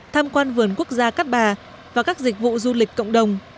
tham quan vườn quốc gia cát bà và các dịch vụ du lịch cộng đồng